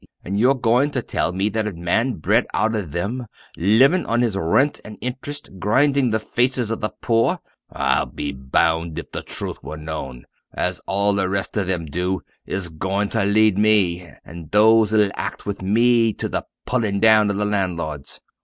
And you're goin' to tell me that a man bred out o' them living on his rent and interest grinding the faces of the poor, I'll be bound if the truth were known, as all the rest of them do is goin' to lead me, an' those as'll act with me to the pullin' down of the landlords!